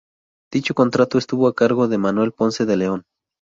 Dicho contrato estuvo a cargo de Manuel Ponce de León.